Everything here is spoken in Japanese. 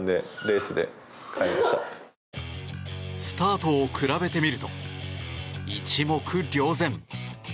スタートを比べてみると一目瞭然。